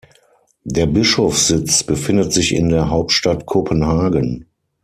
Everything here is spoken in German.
Der Bischofssitz befindet sich in der Hauptstadt Kopenhagen.